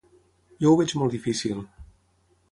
Jo ho veig molt difícil.